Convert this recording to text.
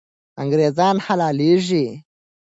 انګریزان حلالېږي.